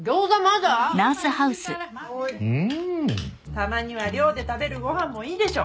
たまには寮で食べるご飯もいいでしょ？